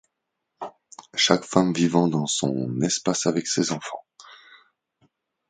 Chaque femme vivant dans son espace avec ses enfants.